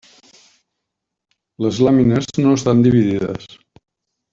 Les làmines no estan dividides.